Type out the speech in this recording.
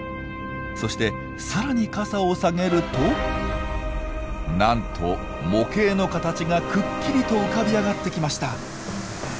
そして更に傘を下げるとなんと模型の形がくっきりと浮かび上がってきました！